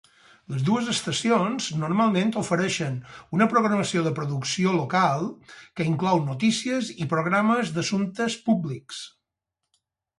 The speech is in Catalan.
Les dues estacions normalment ofereixen una programació de producció local, que inclou notícies i programes d'assumptes públics.